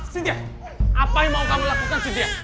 sintia apa yang mau kamu lakukan sintia